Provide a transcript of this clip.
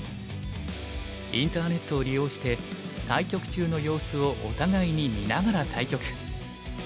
インターネットを利用して対局中の様子をお互いに見ながら対局。